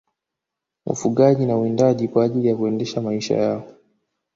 Ufugaji na uwindaji kwa ajili ya kuendesha maisha yao